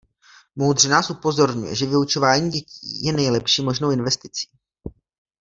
Moudře nás upozorňuje, že vyučování dětí je nejlepší možnou investicí.